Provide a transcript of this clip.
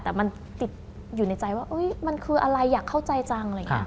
แต่มันติดอยู่ในใจว่ามันคืออะไรอยากเข้าใจจัง